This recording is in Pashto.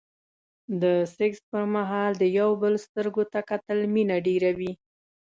د سکس پر مهال د يو بل سترګو ته کتل مينه ډېروي.